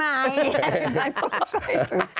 มันสุดใจสุด